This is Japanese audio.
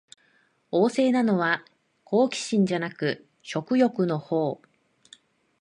旺盛なのは好奇心じゃなく食欲のほう